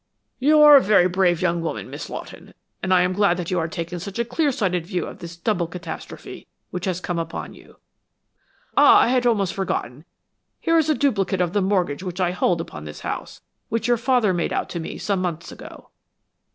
"You are a very brave young woman, Miss Lawton, and I am glad that you are taking such a clear sighted view of this double catastrophe which has come upon you. Ah, I had almost forgotten; here is a duplicate of the mortgage which I hold upon this house, which your father made out to me some months ago."